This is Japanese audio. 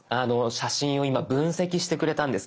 写真を今分析してくれたんです。